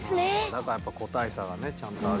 だからやっぱ個体差がねちゃんとあるんだ。